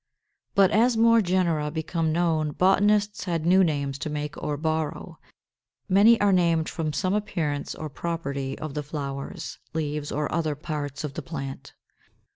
But as more genera became known, botanists had new names to make or borrow. Many are named from some appearance or property of the flowers, leaves, or other parts of the plant.